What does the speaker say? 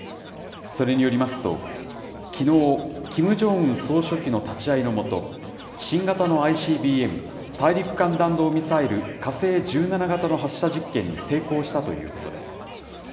それによりますと、きのう、キム・ジョンウン総書記の立ち会いの下、新型のＩＣＢＭ・大陸間弾道ミサイル火星１７型の発射実験に成功したということです。